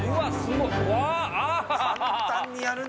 簡単にやるな。